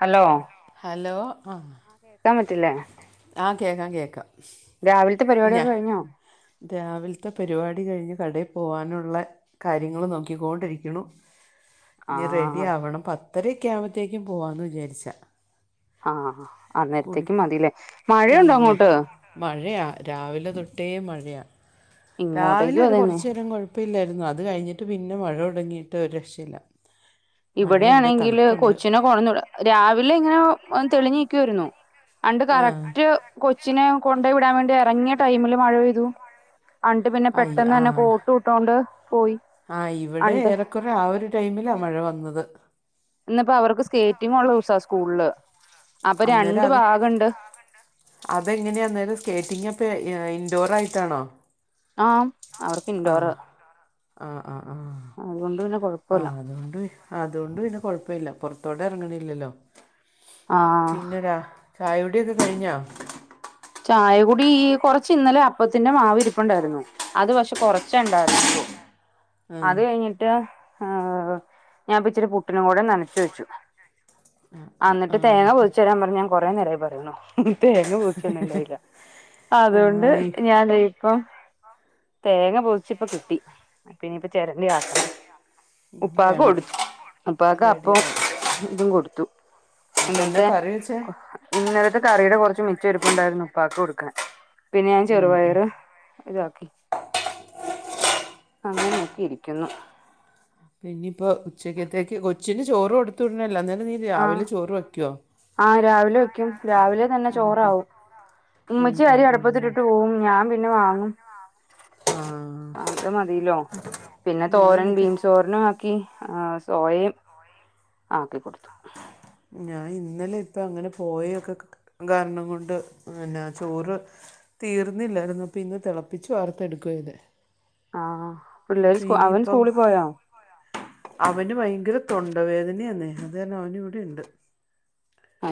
Hello hello ആഹ് കേക്കാൻ പറ്റില്ലേ ആഹ് കേക്കാം കേക്കാം രാവിൽത്തെ പരിപാടിയൊക്കെ കഴിഞ്ഞോ രാവില്ത്തെ പരിപാടി കഴിഞ്ഞ് കടയിൽ പോകാനുള്ള കാര്യങ്ങള് നോക്കിക്കൊണ്ടിരിക്ക്ണു ഇനി ആഹ് റെഡിയാവണം. പത്തരേക്കെ ആവുമ്പത്തേക്കും പോവാന്ന് വിചാരിച്ചാ ആഹ് അന്നേരത്തേക്ക് മതില്ലേ മഴയുണ്ടോ ഉം. അങ്ങോട്ട്? മഴയാ രാവിലെ തൊട്ടേ മഴയാ രാവിലെ ഇങ്ങോട്ടേക്കും ഒരു അതന്നെ കോർച്ചേരം കോഴ പ്പില്ലായിരുന്നു അത് കഴിഞ്ഞിട്ട് പിന്നെ മഴ തുടങ്ങിയിട്ട് ഒരു രക്ഷല്ല ഇവിടെയാണെങ്കില് കൊച്ചിനെ കൊട്ന്ന് വിടാ രാവിലെ ഇങ്ങനെ തെളിഞ്ഞീക്കായിരുന്നു ആണ്ട് ആ കറക്റ്റ് കൊച്ചിനെ കൊണ്ടയ് വിടാൻ വേണ്ടി എർങ്ങിയ ടൈമില് മഴ പെയ്തു. അണ്ട് പിന്നെ അയ്യ പെട്ടെന്ന് തന്നെ ആ കോട്ട് ഇട്ടോണ്ട് പോയി അണ്ട് കുറെ ആഹ് ഒരു ടൈമിലാ മഴ വന്നത് ഇന്ന് പ്പോ അവർക്ക് സ്കേറ്റിംഗുള്ള ദിവസാ സ്കൂള് അന്നേരം അത് അതെങ്ങനെയാ അന്നേരം സ്കേറ്റിംഗ് അപ്പെ ഇൻഡോറായിട്ടാണോ ആഹ് അവർക്ക് ഇൻഡോറ് ആഹ് ആഹ് ആഹ് ആഹ് അതുകൊണ്ട് പിന്നെ കൊഴപ്പല്ല ആഹ് അതുകൊണ്ട് പി അതുകൊണ്ട് പിന്നെ കൊഴപ്പല്ല്യ പോറത്തോട്ട് എറങ്ങ്ണില്ലല്ലോ ആഹ് പിന്നെരാ ചായുടി ഒക്കെ കഴിഞ്ഞോ? ചായ കുടി ഈ കോർച്ച് ഇന്നലെ അപ്പത്തിന്റെ മാവ് ഇരിപ്പുണ്ടായിരുന്നു അത് പക്ഷെ കോറെച്ചേണ്ടായിരുന്നുള്ളൂ ആ അത് കഴിഞ്ട്ട് ഞാം ഇച്ചിരി പുട്ട്നും കൂടെ നനച്ചു വെച്ചു ആ ആഹ് ആ ഇന്നട്ട് ആ തേങ്ങ ഓക്കെ പൊളിച്ചു തരാൻ പറഞ് ഞാൻ കൊറെ നേരായി പറിണു തേങ്ങ പോ ണ്ടായില്ല ആ അതുകൊണ്ട് ഇ- ഞാൻ ദെ ഇപ്പം തേങ്ങ പൊതിച്ച് ഇപ്പ കിട്ടി പിന്നെ ചെരണ്ടി ആക്കണം ഇനി ഉപ്പാക്ക് വേണം കൊടുത്തു ഉപ്പാക്ക് റെഡി അപ്പം ആവും ഇതും കൊടുത്തു അപ്പം എന്നാ ഇന്നലത്തെ കറി വെച്ചേ ഇന്നലത്തെ കറിയുടെ കോറച്ച് മിച്ച ഇരിപ്പുണ്ടായിരുന്നു ഉപ്പാക്ക് കൊടുക്കാൻ പിന്നെ ഞാൻ ഉം ഉം ചെറുപയറ് ഇതാക്കി അങ്ങനെയൊക്കെ ഇരിക്കുന്നു. പിന്നെ ഇപ്പോ ഉച്ചക്കത്തേക്ക് കൊച്ചിന് ചോറ് കോട്ത്ത് വിടണല്ലോ അന്നോലം നീ ആഹ് രാവിലെ ചോറ് വെക്ക്യോ? ആഹ് രാവിലെ വെക്കും രാവിലെ തന്നെ ചോറാവും ഉം ഉമ്മച്ചി ഉം അരി ഉം അട്പ്പത്തിട്ടിട്ട് പോവും ഞാം പി ന് വാങ്ങും ആ അത് മതിലോ പിന്നെ തോരൻ ഞാനിപ്പോ ബീൻസ് തോ രനും ആക്കി സോയയും ആക്കി കോടുത്തു ഞാൻ ഇന്നലെ ഇപ്പ അങ്ങനെ പോയൊക്കെ കാരണം കൊണ്ട് ഇങ്ങനാ ചോറ് തീർന്നില്ലായിരുന്നു അപ്പോ ഇന്ന് തിളപ്പിച്ച് വാർത്തെടുക്കുവായ്തേ ആഹ് പിള്ളേര് സ് അവൻ ഇനിയിപ്പം സ്കൂളിൽ പോയൊ? അവന് ഭയങ്കര തൊണ്ട വേദനയാന്നെ അത് കാരണം അവന് ഇവിടെ ഇണ്ട്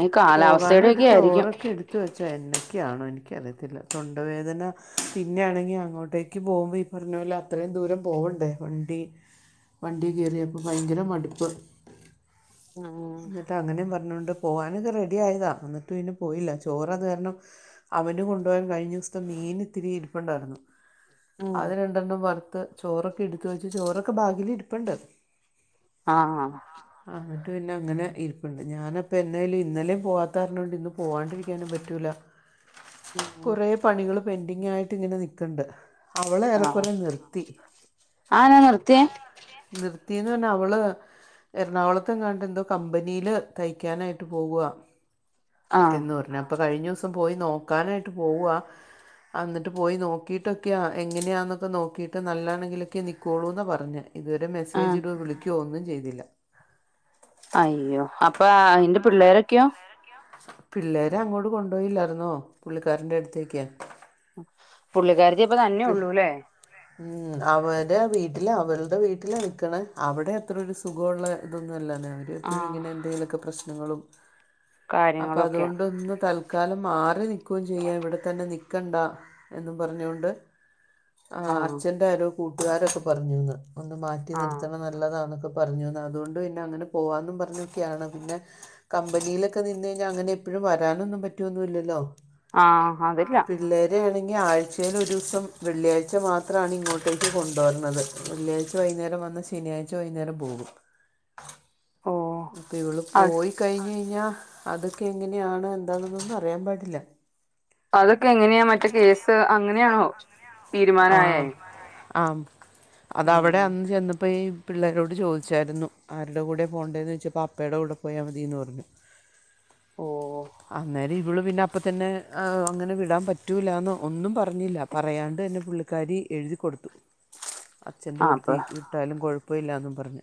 ഈ കാലാവസ്ഥയുടെ പോകാനായിട്ട് ഒക്കെ ആയിരിക്കും ചോറൊക്കെ ഇട് ത്ത് വെച്ചാ എന്നൊക്കെയാണോ എനിക്കറിയത്തില്ല തൊണ്ടവേദന പിന്നെയാണെങ്കി അങ്ങോട്ടേക്ക് പോകുമ്പോ ഇ പറഞ്ഞ പോലെ അത്രയും ദൂരം പോവണ്ടേ വണ്ടി വണ്ടി കേറിയപ്പോ ഭയങ്കര മടുപ്പ് ആഹ് എന്നട്ട് അങ്ങനിം പർഞ്ഞോണ്ട് പോകാനൊക്കെ റെഡി ആയതാ എന്നിട്ട് പിന്നെ പോയില്ല ചോറ് അത് കാരണം അവന് കൊണ്ടുപോകാൻ കഴിഞ്ഞ ദിവസത്തെ മീന് ഇത്തിരി ഇരിപ്പുണ്ടായിരുന്നു ഉം അത് രണ്ടെണ്ണം വർ ത്ത് ചോറൊക്കെ ഇടുത്ത് വെച്ച് ചോറൊക്കെ ബാഗില് ഇരിപ്പ്ണ്ട് ആഹ് എന്നിട്ട് പിന്നെ അങ്ങനെ ഇരിപ്പ്ണ്ട് ഞാനപ്പ ഇന്നലിം പോവാത്തത് കാരണം ഇന്ന് പോവാണ്ടിരിക്കാനും പറ്റൂല കുറെ പണികള് പെന്റിങ്ങായിട്ട് ഇങ്ങനെ നിക്ണ്ട് അവള് ആഹ് ഏറെക്കുറെ നിർത്തി ആഹ് ഞാൻ നിർത്തിയേ നിർത്തിന്ന് പർഞ്ഞാ അവള് എറണാകുളത്ത് എങ്ങാണ്ട് എന്തോ കമ്പനില് തയ്ക്കാനായി ട്ട് പോവാ ആഹ് എന്ന് പർഞ് അപ്പൊ കഴിഞ്ഞിസം പോയി നോക്കാനായിട്ട് പോവാ എന്നിട്ട് പോയി നോക്കിട്ടൊക്കെയാ എങ്ങനെയാ ന്നൊക്കെ നോക്കിട്ട് നല്ലാണെങ്കിലൊക്കെ നിക്കൊള്ളു ന്നാ പറഞ്ഞെ ഇതുവരെ മെസ്സേജ് ആഹ് ഇടോ വിളിക്കൊ ഒന്നും ചെയ്തില്ല അയ്യോ അപ്പ അയ്ന്റെ പിള്ളേരൊക്കെയോ? പിള്ളേര് അങ്ങോട്ട് കൊണ്ടോയില്ലായിരുന്നോ പുള്ളിക്കാരന്റെ അടുത്തേക് പുള്ളിക്കാരത്തി ഇപ്പ തന്നയേ ഉള്ളൂ ല്ലേ? ഉം ഉം അവരെ വീട്ടില് അവളുടെ വീട്ടിൽ നിക്കണ. അവിടെ അത്രൊ ഒരു സുഖമുള്ള ഇതൊന്നും ല്ലന്ന ആഹ് എപ്പയുങ്ങനെ എന്തേലൊക്കെ പ്രശ്നങ്ങളും. അപ്പ കാര്യങ്ങളൊക്കെയാ അതോണ്ടൊന്ന് തൽ കാലം മാറി നിൽക്കുകയും ചെയ്യാ ഇവിടെത്തന്നെ നിൽക്കണ്ട എന്നും പറഞ്ഞുകൊണ്ട് ആഹ് അച്ഛന്റെ ആരോ കൂട്ടുകാരൊക്കെ പറഞ്ഞുന്ന് ഒന്ന് മാറ്റി ആഹ് നിർത്തണം നല്ലതാന്നൊക്കെ പറഞ്ഞു അതോണ്ട് പിന്നെ അങ്ങനെ പോവാന്നും പർഞ്ഞൊക്കെയാണ് പിന്നെ കമ്പനിയിലൊക്കെ നിന്ന് കഴിഞ്ഞാൽ അങ്ങനെ എപ്പഴും വരാനൊന്നും പറ്റോ ന്നുല്ലല്ലോ ആഹ് അതില്ല യാണെങ്കിൽ ആഴ്ചയിൽ ഒരൂസം വെള്ളിയാഴ്ച മാത്രമാണ് ഇങ്ങോട്ടേക്ക് കൊണ്ടുവര്ണത്. വെള്ളിയാഴ്ച വൈന്നേരം വന്നാൽ ശനിയാഴ്ച വൈന്നേരം പോകും. ഓഹ് അപ്പൊ ഇവള് അത് പോയി കഴിഞ്ഞയ്‌ഞ്ഞാൽ അതൊക്കെ എങ്ങനെയാണ് എന്താന്നൊന്നും അറിയാൻ പാടില്ല അതൊക്കെ എങ്ങനെയാ മറ്റേ കേസ് അങ്ങനെയാണോ? തീരുമാനായേ ആഹ് അഹ് അതവിടെ ഉം അന്ന് ചെന്നപ്പയി പിള്ളേരോട് ചോദിച്ചായിരുന്നു. ആരുടെ കൂടെ പോകേണ്ടതെന്ന് ചോദിച്ചപ്പോ അപ്പയുടെ കൂടെ പോയാൽ മതിയന്ന് പറഞ്ഞു. ഓ അന്നേരം ഇവള് പിന്നെ അ അപ്പതന്നെ അങ്ങനെ വിടാം പറ്റൂലാന്നോ ഒന്നും പറഞ്ഞില്ല പറയാണ്ട് തന്നെ. പുള്ളിക്കാരി എഴുതി കൊടുത്തു. അച്ഛൻ്റെ ആ അപ്പൊ കൂടത്തി വിട്ടാലും കുഴപ്പല്ലാന്നും പറഞ്ഞ്.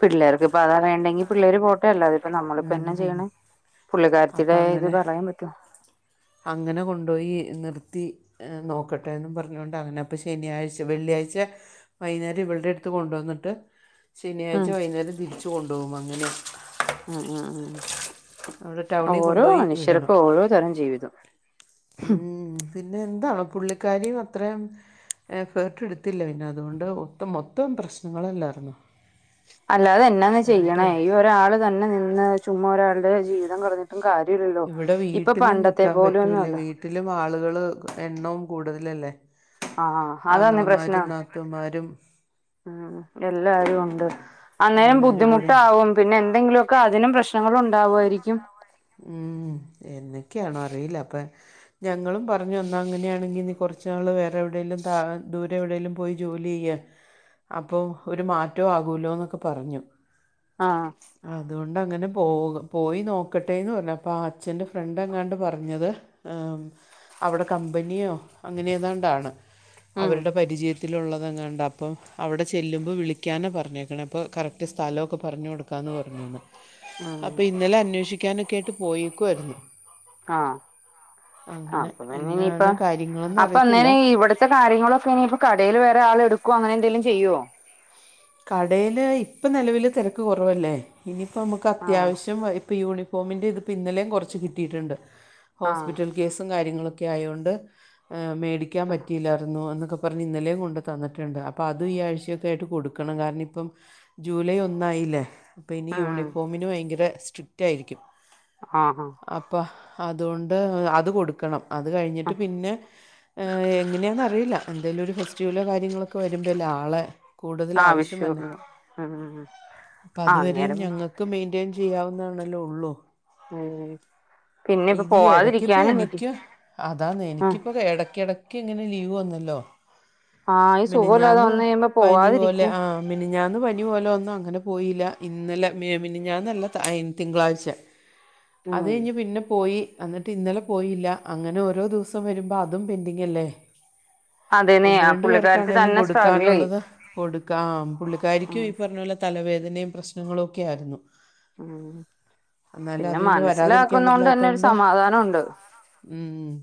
പിള്ളേർക്ക്പ്പതാ അറേണ്ടെങ്കി പിള്ളേര് പോട്ടെ അല്ലാതിപ്പ നമ്മളിപ്പൊ എന്ന ചെയ്യണ്. അപ്പങ്ങനെ പറ്റോ അങ്ങനെ കൊണ്ടോയി നിർത്തി. നോക്കട്ടേന്നും പറഞ്ഞോണ്ട് അങ്ങനെപ്പ ശനിയാഴ്ച വെള്ളിയാഴ്ച വൈന്നേരം ഇവൾടെട്ത്ത് കൊണ്ടോന്നിട്ട് ശനിയാഴ്ച ഉം വൈന്നേരം തിരിച്ചു കൊണ്ടോകും അങ്ങനെ. ആഹ് ആഹ് അവിടെ ആഹ്. ടൗണിൽ ഓരോ കൊണ്ടുപോയി വിടണം മനുഷ്യർക്കും ഓരോ തരം ജീവിതം. പിന്നെ എന്താവം പുള്ളിക്കാരിയും അത്രയും എഫേർട്ട് എടുത്തില്ല പിന്നെ അതുകൊണ്ട് ഒത്തം മൊത്തം പ്രശ്നങ്ങളല്ലാര്ന്നു. അല്ലാതെ എന്നാന്ന് ചെയ്യണെ. ഈ ഒരാള് തന്നെ നിന്ന് ചുമ്മാ ഒരാളുടെ ജീവിതം കളഞ് ന്നും കാര്യല്ലല്ലോ. ഇപ്പൊ പണ്ടത്തെ പോലൊന്നല്ല. ട്ടിലും ആളുകള് എണ്ണോം കൂടുതലല്ലേ. ആ അതാന്ന് പ്രശ്നം ആങ്ങളമാരും നാത്തൂന്മാരും. ഉം എല്ലാരും ഉണ്ട്. അന്നേരം എല്ലാവരും കൂടെ ബുദ്ധിമുട്ടാവും പിന്നെ എന്തെങ്കിലുക്കെ അതിനും പ്രശ്നങ്ങളും ഉണ്ടാവു ആയിരിക്കും. ഉം എന്തൊക്കെയാണോ അറിയില്ല അപ്പ ഞങ്ങളും പറഞ്ഞു എന്നാ അങ്ങനെയാണെങ്കിൽ നീ കൊർച്ച് നാള് വേറെ എവിടെലും താ ദൂരെ എവിടെലും പോയി ജോലിയ്യ്. അപ്പൊ ഒരു മാറ്റം ആകൂലോന്നൊക്കെ പറഞ്ഞു. ആഹ് അതുകൊണ്ട് അങ്ങനെ പോ പോയി നോ ക്കട്ടെന്ന് പറഞ്ഞു അപ്പോ ആ അച്ഛൻ്റെ ഫ്രണ്ട് എങ്ങാണ്ട് പറഞ്ഞത് ഏഹ് അവിടെ കമ്പനിയോ അങ്ങനെ ഏതാണ്ടാണ് ഉം അവരുടെ പരിചയ ത്തിലുള്ളതങ്ങാണ്ട് അപ്പം അവിടെ ചെല്ലുമ്പോ വിളിക്കാന പറഞ്ഞേക്കണ അപ്പോ കറക്റ്റ് സ്ഥലൊക്കെ പറഞ് കൊടു ക്കാന്ന് പറഞ്ഞിനു. ഉം അപ്പൊ ഇന്നലെ അന്വേഷിക്കാനൊക്കെയിട്ട് പോയേക്കുവായിരുന്നു. ആഹ് അപ്പൊ പിന്നെ എന്നാണ് ഇനിയിപ്പം കാര്യങ്ങളെന്ന് അപ്പ അന്നേരം അറിയത്തില്ല ഇവിടെ ഇത്തെ കാര്യങ്ങളൊക്കെ ഇനി ഇപ്പ കടയിൽ വേറെ ആളെ എടുക്കോ അങ്ങനെ എന്തെലും ചെയ്യോ? കടയില് ഇപ്പ നിലവില് തിരക്ക് കുറവല്ലേ ഇനിയിപ്പോ നമുക്ക് ആഹ് അത്യാവശ്യം ഇപ്പ യൂണി ഒമെന്റേതിപ്പോ ഇന്നലെയും കുറച്ച് കിട്ടിയിട്ടുണ്ട്. ആഹ് ഹോസ്പിറ്റൽ കേസും കാര്യങ്ങളൊക്കെ ആയോണ്ട്. ഏഹ് മേടിക്കാപറ്റില്ലായിരുന്നു എന്നൊക്കെ പറഞ്ഞ് ഇന്നലെ കൊണ്ട്തന്നിട്ടുണ്ട് അപ്പ അത് ഈ ആഴ്ചക്കെ ആയിട്ട് കൊടുക്കും. ക്കണം കാരണം ഇപ്പം ജൂലൈ ഒന്നായില്ലേ. അപ്പ ഇനി ഉം യൂണിഫോമിന് ഭയങ്കര സ്ട്രിക് റ്റായിരിക്കും. ആഹ് ആഹ്. അപ്പ അതുകൊണ്ട് അത് കൊടുക്കണം. അത് കഴിഞ്ഞിട്ട് ആഹ് പിന്നെ എങ്ങനെയാന്നറിയില്ല എന്തെലും ഒരു ഫെസ് റ്റുവലോ കാര്യങ്ങളൊക്കെ വരുമ്പല്ലേ ആളെ കൂടുതൽ ആവശ്യം വരുന്നേ ആവശ്യള്ളൂ ഉം അപ്പ ആഹ് അതുവരെയും അന്നേരം ഉം ഞങ്ങക്ക്. ക്ക്‌ മെയ്ന്റെയ്ൻ ചെയ്യാവുന്നതല്ലേ ഉള്ളൂ. ഉം ഇത് എടക്കിപ്പ എനിക്ക് അതാന്നെ ആഹ് എനിക്കിപ്പൊ എടക്ക് എടക്ക് ക്കിങ്ങനെ ലീവ് വന്നല്ലോ ആഹ് ഈ സുഖമില്ലാതെ മിനിഞ്ഞാന്ന് വന്ന് കഴിയുമ്പോ പനി പോലെ പോവാതിരിക്ക ആഹ് മിനിഞ്ഞാന്ന് പനി പോലെ വന്നു അങ്ങനെ പോയില്ല ഇന്നലെ മിനിഞ്ഞാന്നല്ല തിങ്കളാഴ്ച അത് ഉം കഴിഞ്ഞ് പിന്നെ. പോയി അന്നിട്ട് ഇന്നലെ പോയില്ല അങ്ങനെ ഓരോ ദിവസം വരുമ്പോ അതും പെൻഡിങ്ല്ലേ. അതെന്നെ ഒന്ന് ആ രണ്ട് പുള്ളിക്കാരത്തി പേർക്കാണങ്കിലും തന്നെ സ്ട്രഗിൾ ചെയ്യും കൊടുക്കാനുള്ളത് കൊടുക്കാ ഉം പുള്ളിക്കാരിക്കും ഈ പറഞ്ഞ പോലെ. തലവേദനയും പ്രശ്നങ്ങളു ഒക്കെ ആയിരുന്നു. ഉം എന്നാലും അത് പിന്നെ വരാതിരിക്കാൻ പറ്റില്ല മനസ്സിലാക്കുന്നോണ്ട് തന്നെ ഒരു സമാധാനമുണ്ട്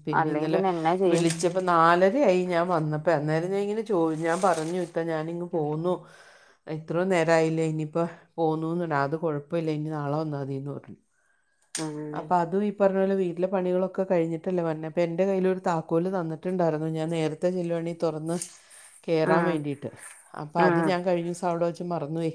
പിന്ന അല്ലെങ്കിൽ ഇന്നലെ പിന്നെ എന്നാ ചെയ്യും വിളി ചപ്പോ നാലരായി ഞാൻ വന്നപ്പോ അന്നേരം ഞാൻ ഇങ്ങനെ ചോയ്ചു ഞാൻ പറഞ്ഞു ഇത്ത ഞാൻ. ഇങ്ങ് പോന്നു. ഇത്രോം നേരായില്ലേ ഇനിയിപ്പ പോവുന്നു അത് കുഴപ്പല്ല ഇനി നാളെ വന്നാ മതിന്ന് പറഞ്ഞു ഉം അപ്പൊ അതും ഇ പറഞ്ഞ പോലെ വീട്ടിലെ പണികളൊക്കെ കഴിഞ്ഞിട്ടല്ലേ വരണെ അപ്പ എന്റെ കയ്യിലൊരു ഒരു താക്കോൽ തന്നിട്ടുണ്ടായിരുന്നു ഞാ നേത്തെ രത്തെ ചെല്ലുവാണേൽ തുറന്ന് കേറാൻ ഉം വേണ്ടിയിട്ട് അപ്പം അത് ഉം ഞാൻ കഴിഞ്ഞ ദിവസം അവിടെ വെച്ച് മറന്നു പോയി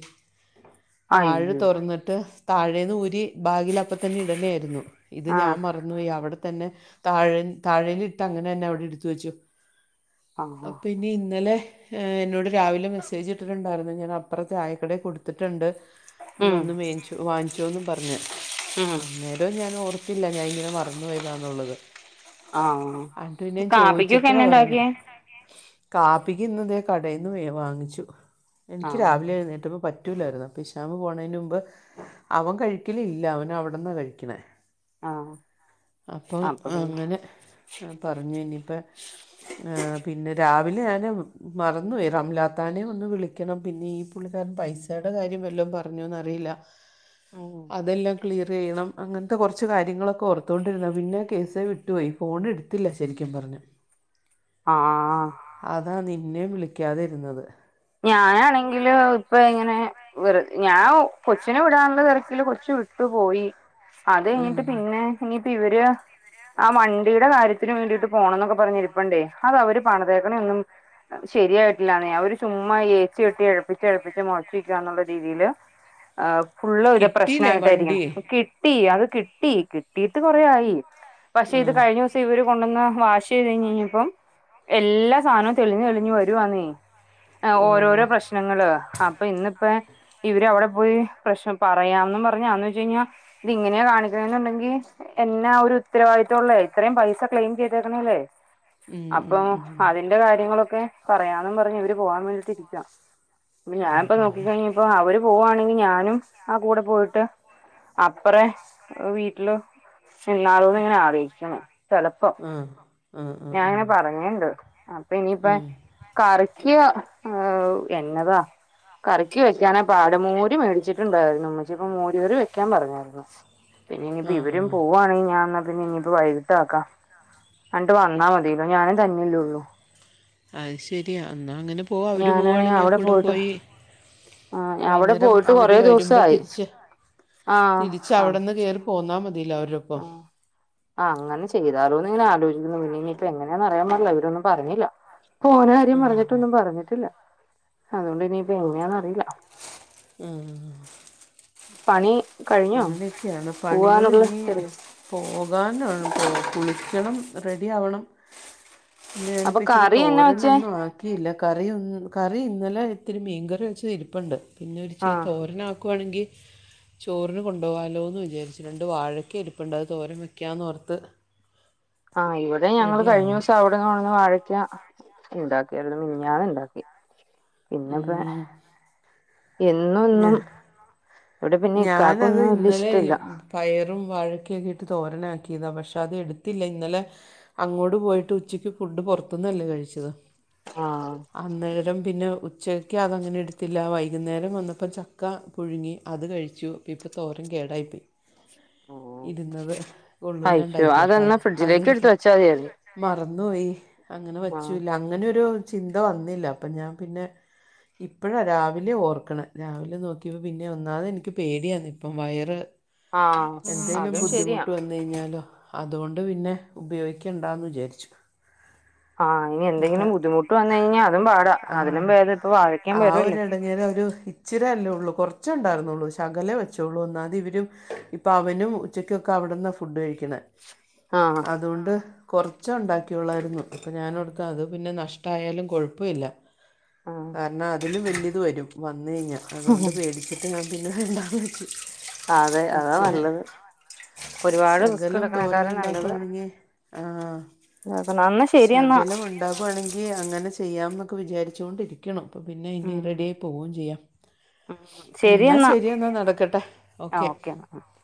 താഴ് അയ്യോ തുറന്നിട്ട് താഴേന്ന് ഊരി ബാഗിലപ്പ തന്നെ ഇടണയയിരുന്നു ഇത് ഞാൻ ആഹ് മ റന്നു പോയവിടെതന്നെ താഴേ താഴെന്നു എട്തങ്ങനെ തന്നെ അവിടെ എടുത് വെച്ചു ആഹ് അപ്പ ഇനി ഇന്നലെ എന്നോട് രാവിലെ മെസ്സേജ് ഇട്ടിട്ടുണ്ടായിരുന്നു ഇങ്ങ അപ്പറ ചായക്കടേ കൊടുത്തിട്ടുണ്ട് ഉം വന്ന് വേവിച് വാങ്ങിച്ചോന്നും പറഞ്ഞ് ഉം അന്നേരം ഞാൻ ഓർത്തില്ല ഞാൻ ഇങ്ങനെ മറ പോയതാനുള്ളത് ആഹ് എന്നിട് കാപ്പിക്കൊക്കെ ചോയിച്ചപ്പോഴാ എന്നാ പറയണ് ഉണ്ടാക്കിയേ കാപ്പിക്ക് ഇന്ന് തേ കടയിൽ നിന്ന് മേ വാങ്ങിച്ചു എനിക്ക് ആഹ് രാവിലെ എഴുന്നേറ്റപ്പോൾ പറ്റ റ്റൂലായിരുന്നു പ്പൊ ഇശാമ് പോണെന് മുമ്പ് അവൻ കഴിക്കലില്ല അവൻ അവിടന്നാ കഴിക്കണേ ആഹ് അപ്പം അപ്പൊ പിന്നെ അങ്ങനെ പറഞ്ഞു ഇനിയിപ്പ മ് പിന്നെ രാവിലെ ഞാന് മറന്നു പോയി റംലാത്താനെ ഒന്ന് വിളി ക്കണം പിന്നെ ഈ പുള്ളിക്കാരൻ പൈസടെ കാര്യം വല്ലോം പറഞ്ഞോന്നറിയില്ല അതെല്ലാം ക്ലിയറയ്യണം അങ്ങനത്തെ കൊറച്ച് ച്ച് കാര്യങ്ങളൊക്കെ ഓർതോണ്ടിരുന്ന പിന്നെ കേസ് വിട്ടുപോയി ഫോൺ എടുത്തില്ല ശരിക്കും പറഞ്ഞ ആഹ് ആഹ് അതാ നിന്നെയും വിളിക്കാതിരുന്നത് ഞാനാണെങ്കില് ഇപ്പൊ ഇങ്ങനെ വെറു ഞാ കൊച്ചിനെ വിടാനുള്ള തിരക്കില് കൊറച്ചു വിട്ടു പോയി അത് ഉം. കയ്ഞ്ഞിട്ട് പിന്നെ ഇനിപ്പ ഇവര് ആഹ് വണ്ടിടെ കാര്യത്തിന് വേണ്ടിയിട്ട് പോണം എന്നൊക്കെ പറഞ്ഞിരിപ്പ്ണ്ടേ അതവര് പണതേക്ക്ണ ഒന്നും ശരിയായിട്ടില്ലാന്നെ അവര് ചുമ്മാ ഏച്ചി എട്ടി എഴുപ്പിച്ച് എഴുപ്പിച്ച് മോർപ്പിക്കാ ന്നുള്ള രീതിയില് ആഹ് ഫുള്ളവിടെ കിട്ടിയില്ലേ പ്രശ്നായിട്ടാ ഇരിക്കുന്ന വണ്ടി ഇയ്ക് ട്ടി അത് കിട്ടി കിട്ടീട്ട് കൊറയായി പക്ഷെ ആ. ഇത് കഴിഞ്ഞുസം പ്പോ ഇവര് കൊണ്ടന്ന വാശ് ചെയ്ത് കഴിഞ്ഞപ്പം എല്ലാ സാനോം തെളിഞ്ഞെളിഞ്ഞു വരുവാന്നെ ആഹ് ഓ ഓരോരോ പ്രശ്നങ്ങള് അപ്പ ഇന്നിപ്പോ ഇവര് അവിടെ പോയി പ്രശ്നം പറയാംന്നും പറഞ്ഞ് അന്ന് വേച്ച്കഴിഞ്ഞ ഇതിങ്ങനെയാ കാണിച്ചെന്നുണ്ടെങ്കിൽ എന്നാ ഒരു ഉത്തരവാദിത്വള്ളേ ത്രയും പൈസ ക്ലെയിം ചെയ്തേക്ക്ണല്ലേ. ഉം, ഉം, അപ്പം ഉം. അതിന്റെ കാര്യങ്ങളൊക്കെ പറയാന്നും പറഞ്ഞ് ഇവര് പോവാൻ വേണ്ടിട്ടിരിക്കാ. ആ ഞാനിപ്പ ആ ആ. നോക്കിക്കഴിഞ്ഞപ്പ അവര് പോവാണെങ്കി ഞാനും ആ കൂടെ പോയിട്ട് അപ്പറേ വീട്ട്ല് ചെന്നാലോ ങ്ങനെ ആലോയ്ക്ക്ണേ ചെലപ്പം ആ ആ ആ ഞാ ആ ങ്ങനെ പറഞ്ഞീണ്ട് അപ്പൊ ഇനിയിപ്പ ഉം. കറിക്ക് എന്നതാ കറി ക്ക് വെക്കാനാ പാട് മോര് മേടിച്ചിട്ടുണ്ടായ്രുന്നു. ഇമ്മച്ചിപ്പോ മോര് കറി വെക്കാൻ പറഞ്ഞായ്രുന്നു. പിന്നെ ആ ഇനിയിപ്പോ ഇവരും പോവാണെങ്കി ഞാ ന്ന പിന്നെ ഇനി പ്പ വൈകിട്ടാക്കാ ആണ്ട് വന്നാ മതിയല്ലോ ഞാനേ തന്നെല്ലെള്ളു. അയ് ശര്യാ ന്നാ അങ്ങനെ പോവാ അവര് ഞാനാണെങ്കി പോവാണെങ്കി ഞാ അവിടെ കൂടെ പോയിട്ട് പോയി ആ അവിടെ വൈന്നേരം പോയിട്ട് അവര് കൊറേ വരുമ്പോ ദിവസായി തിരിച്ച് ആ തിരിച്ച് ആ അവിടന്ന് കേറി പോന്നാ മതില്ലോ അവരൊപ്പം ആ ആ അങ്ങനെ ചെയ്താലോ ന്ന് ആലോചിക്കുന്നു. പിന്നെ ഇനിയിപ്പങ്ങനാന്ന് അറിയാൻ പാടില്ല. ഇവരൊന്നുംപറഞ്ഞില്ല പോണ കാര്യം ഉം. പറഞ്ഞിട്ടൊന്നും പറഞ്ഞിട്ടില്ല അതുകൊണ്ട് ഇനിയിപ്പ ങ്ങനെയാണന്നറിയില്ല. ഏഹ് പണി കഴിഞ്ഞോ അങ്ങനെയൊക്കെയാണ് പണികൾ പോവാനുള്ള ഇനി തിരക്ക് പോകാനാണ് കുളിക്യണം റെഡി ആവണം. അപ്പൊ ഞാനിപ്പോ ഇച്ചിരി കറി എന്നാ വെച്ചേ തോരനൊന്നും ആ ക്കിയില്ല കറി ഒന്ന് കറി ഇന്നലെ ഇത്തിരി മീൻകറി വെച്ചതിരിപ്പുണ്ട് പിന്നെ ഒരിച്ചിരി ആഹ് തോരനാക്കുവാണെങ്കി ചോറിന് കൊണ്ടുപോകാല്ലോ എന്ന് വിചാരിച് രണ്ട് വാഴക്ക ഇരുപ്പുണ്ട് അത് തോരം വയ്ക്കാന്ന്ഓർത്ത് ആഹ് ഇവിടെ ഞങ്ങൾ കയ്ഞ്ഞ ആവണം [unintelligible] വാഴക്ക ഇണ്ടാക്കി മിഞ്ഞാന്ന് ഇണ്ടാക്കി. ഉം എന്നും ഞാ എന്നും ഇവിടെ പിന്നെ ഞാനത് ഇക്കാക്കൊന്നും വല്യ ഇന്നലെ ഇഷ്ടല്ല പയറും വഴക്കെയൊക്കെ ഇട്ട് തോരനാക്കിയതാ പക്ഷെ അത് എട്ത്തില്ല ഇന്നലെ അങ്ങോട്ട് പോയിട്ട് ഉച്ചയ്ക്ക് ഫുഡ് പുറത്തന്നല്ലേ കഴിച്ചത് ആഹ്. അന്നേരം പിന്നെ ഉച്ചക്ക് അതങ്ങനെ എട്ത്തില്ല വൈകുന്നേരം വന്നപ്പം ചക്ക പുഴുങ്ങി അത് കഴിച്ചു. ഇപ്പ തോരൻ കേടായി പോയി ഇര്ന്നത് അയ്യോ കൊള്ളൂല്ലാണ്ടായിപ്പോയി അപ്പ അതെന്നാ ഫ്രിഡ്ജിലേക്ക് എടുത്ത് വെച്ചാ മതിയായിരുന്നു [unintelligible] മറന്നോയി അങ്ങനെ ആഹ് വച്ചൂല്ല അങ്ങനെയൊരു ചിന്ത വന്നില്ല അപ്പ ഞാൻ പിന്നെ ഇപ്പോഴാ രാവിലെ ഓർക്കണ രാവിലെ നോക്കിയപ്പം പിന്നെ ഒന്നാമത് എനിക്ക് പേടിയാ ന്ന് ഇപ്പം വയറ് ആഹ് എന്തേലും അതും ശരിയാ ബുദ്ധിമുട്ട് ഞ്ഞാലോ അതോണ്ട് പിന്നെ ഉപയോഗിക്കേണ്ടാന്ന് വിചാര്ച്ചു. ആഹ്ഇനി എന്തങ്കിലും ബുദ്ധിമുട്ട് വന്നു കഴിഞ്ഞാ അതും പാടാ അതിലും ബേദം ഇപ്പ വാ ആഹ് ഒര് എൾ അങ്ങനെ ഒരു ഇച്ചിരല്ലേള്ളൂ കൊർച്ചെ ഇണ്ടാർന്നൊള്ളൂ ശകലെ വെച്ചൊള്ളൂ ഒന്നാവത് ഇവരും പ്പാ അവനും ഉച്ചക്കൊക്കെ അവിട്ന്നാ ഫുഡ് കഴിക്ക്ന്നെ ആഹ് അതുകൊണ്ട് കൊർച്ചേ ഉണ്ടാക്കിള്ളായിരുന്നു അപ്പ ഞാനോർത്ത് അത് പിന്നെ നഷ്ട്ടായാലും കൊഴ്പ്പല്ല. ആഹ് വന്ന അതിലും വല്യത് വരും വന്ന കഴിഞ്ഞാ അതുകൊണ്ട് പേടിച്ചിട്ട് ഞാൻ പിന്നെ വേണ്ടാന്ന് വെച്ചു. അതെ അതാ വെച്ച് നല്ലത് ഒരുപാട് ണ് റിസ്ക് ശകലം തോരന് എടുക്കണേക്കാളും നല്ലത് ഉണ്ടാക്കവാണങ്ങി ആഹ് ആ നോക്കണം എന്നാ ശരിയെന്നാ ശകലമു ഇണ്ടാകുവാണെങ്കി അങ്ങനെ ചെയ്യാം ന്നൊക്കെ വിചാരിച്ചോ ണ്ടിരിക്ക്യണം. അപ്പ പിന്നെ ഇനി ഉം റെഡിയായി പോവേം ചെയ്യാം. ഉം മ് എന്നാ ശരിയെന്നാ ശെരി എന്നാ നടക്കട്ടെ ഓക്കെ. [inaudible]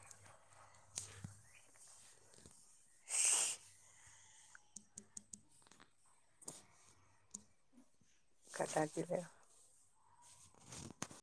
കട്ടാക്കല്ലേ?